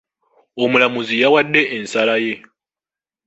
Omulamuzi yawadde ensala ye.